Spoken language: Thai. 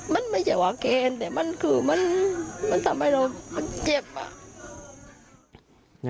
มันไม่ใช่ว่าเกณฑ์แต่มันคือมันทำให้เรามันเจ็บอ่ะ